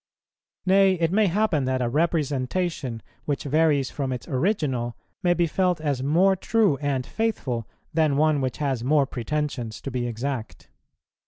Nay, it may happen that a representation which varies from its original may be felt as more true and faithful than one which has more pretensions to be exact.